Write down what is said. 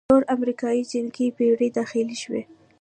څلور امریکايي جنګي بېړۍ داخلې شوې.